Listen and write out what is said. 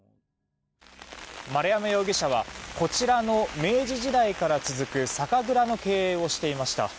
丸山容疑者はこちらの、明治時代から続く酒蔵の経営をしていました。